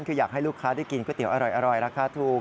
คืออยากให้ลูกค้าได้กินก๋วเตี๋ยอร่อยราคาถูก